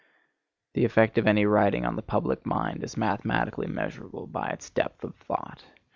The effect of any writing on the public mind is mathematically measurable by its depth of thought.